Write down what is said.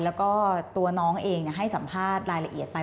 แล้วก็ตัวน้องเองให้สัมภาษณ์รายละเอียดไป